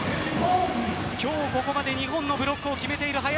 今日ここまで２本のブロックを決めている林。